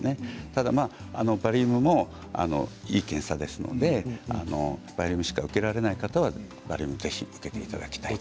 ただ、バリウムもいい検査ですのでバリウムしか受けられない方はバリウムをぜひ受けていただきたい。